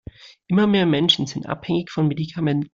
Immer mehr Menschen sind abhängig von Medikamenten.